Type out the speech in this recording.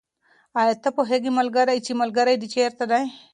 آیا ته پوهېږې چې ملګري دې چېرته دي؟